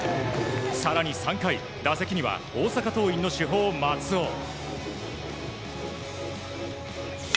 更に３回打席には大阪桐蔭の主砲、松尾。